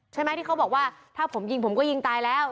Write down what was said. ใช่ไหมที่เขาบอกว่าถ้าผมยิงผมก็ยิงตายแล้ว